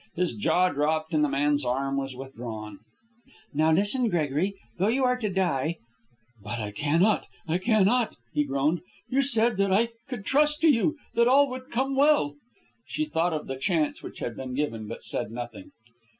His jaw dropped, and the man's arm was withdrawn. "Now listen, Gregory. Though you are to die " "But I cannot! I cannot!" he groaned. "You said that I could trust to you, that all would come well." She thought of the chance which had been given, but said nothing.